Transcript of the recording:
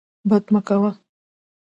بد مه کوه.